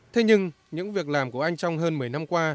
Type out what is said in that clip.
thế nhưng những việc làm của anh trong hơn một mươi năm qua